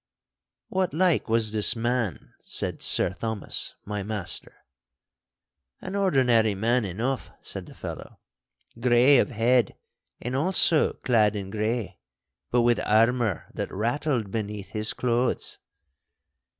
'What like was this man?' said Sir Thomas, my master. 'An ordinary man enough,' said the fellow; 'grey of head and also clad in grey, but with armour that rattled beneath his clothes.